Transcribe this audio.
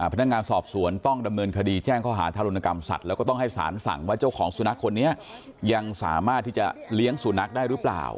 พนักงานสอบสวนต้องดำเนินคดีแจ้งข้อหาทารุณกรรมสัตว์แล้วก็ต้องให้สารสั่งว่าเจ้าของสุนัขคนนี้ยังสามารถที่จะเลี้ยงสุนัขได้หรือเปล่า